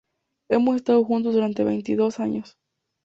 Hemos estado juntos durante veintidós años.